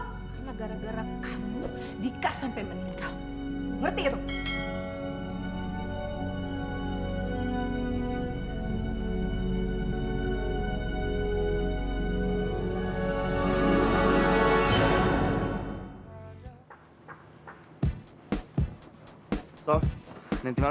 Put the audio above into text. karena gara gara kamu dika sampai meninggal